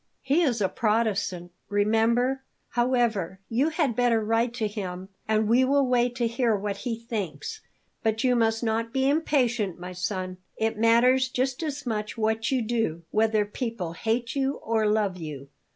"He is a Protestant, remember. However, you had better write to him, and we will wait to hear what he thinks. But you must not be impatient, my son; it matters just as much what you do, whether people hate you or love you."